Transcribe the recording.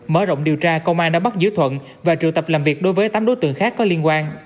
mở rộng điều tra công an đã bắt giữ thuận và triệu tập làm việc đối với tám đối tượng khác có liên quan